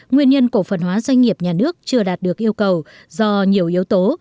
nguyên nhân cổ phần hóa doanh nghiệp nhà nước chưa đạt được yêu cầu do nhiều yếu tố